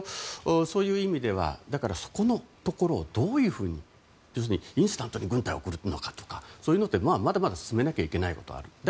そういう意味ではそこのところをどういうふうにインスタントに軍隊を送るのかとかそういう、まだまだ進めなきゃいけないことがある。